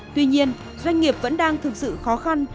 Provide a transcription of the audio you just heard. tuy nhiên doanh nghiệp vẫn đang thực sự khó khăn